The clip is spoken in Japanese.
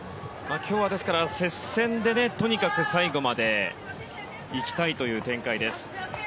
今日は、接戦でとにかく最後まで行きたいという展開です。